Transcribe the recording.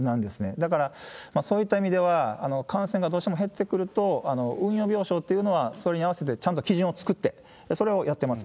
だから、そういった意味では、感染がどうしても減ってくると、運用病床っていうのは、それに合わせてちゃんと基準を作ってそれをやってます。